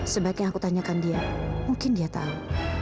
sebaiknya aku tanyakan dia mungkin dia tahu